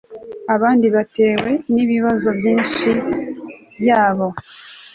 Abandi bitewe nibibazo byimibiri yabo